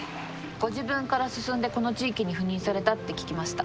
ご自分から進んでこの地域に赴任されたって聞きました。